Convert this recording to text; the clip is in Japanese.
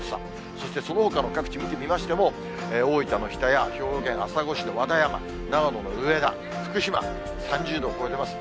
そして、そのほかの各地見てみましても、大分の日田や兵庫県朝来市の和田山、長野の上田、福島、３０度を超えてます。